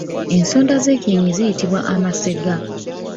Ensonda z’ekyenyi ziyitibwa amasega.